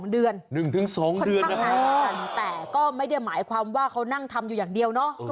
๑๒เดือนเท่านั้นแต่ก็ไม่ได้หมายความว่าเขานั่งทำอยู่อย่างเดียวเนาะ